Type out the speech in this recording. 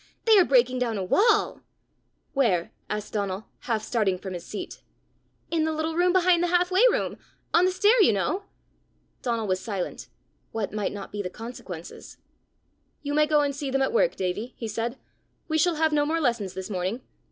They are breaking down a wall!" "Where?" asked Donal, half starting from his seat. "In the little room behind the half way room on the stair, you know!" Donal was silent: what might not be the consequences! "You may go and see them at work, Davie," he said. "We shall have no more lessons this morning.